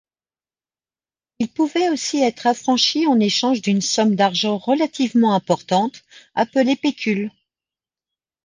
Il pouvait aussi être affranchi en échange d'une somme d'argent relativement importante, appelée pécule.